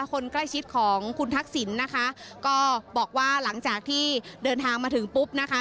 คนใกล้ชิดของคุณทักษิณนะคะก็บอกว่าหลังจากที่เดินทางมาถึงปุ๊บนะคะ